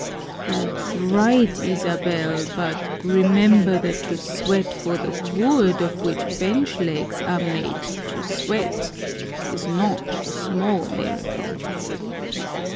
"That's right, Isabel; but remember that to sweat for the wood of which bench legs are made to sweat is not a small miracle.